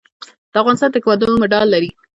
د افغانستان تکواندو مډال لري